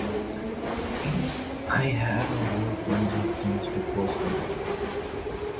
I have a whole bunch of things to post about.